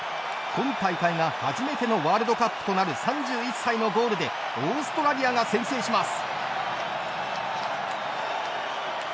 今大会が初めてのワールドカップとなる３１歳のゴールでオーストラリアが先制します。